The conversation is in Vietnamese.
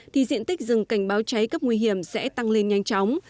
thì diện tích rừng cảnh báo cháy cấp nguy hiểm sẽ tăng lên nhanh chóng